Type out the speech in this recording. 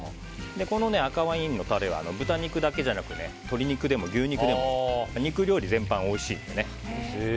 この赤ワインのタレは豚肉だけじゃなくて鶏肉でも牛肉でも肉料理全般おいしいので。